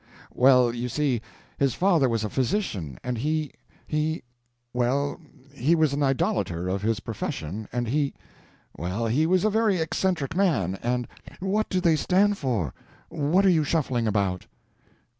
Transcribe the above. "Well, you see, his father was a physician, and he—he—well he was an idolater of his profession, and he—well, he was a very eccentric man, and—" "What do they stand for! What are you shuffling about?"